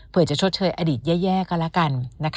เพื่อจะชดเชยอดีตแย่ก็แล้วกัน